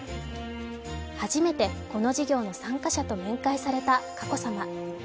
初めてこの事業の参加者と面会された佳子さま。